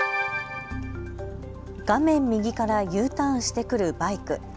画面右からＵターンしてくるバイク。